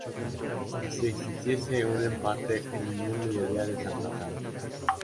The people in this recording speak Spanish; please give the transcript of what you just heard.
Si existiese un empate, el inmune debía desempatar.